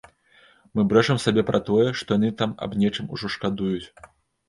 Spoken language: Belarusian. Мы брэшам сабе пра тое, што яны там аб нечым ужо шкадуюць.